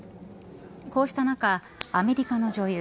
こうした中アメリカの女優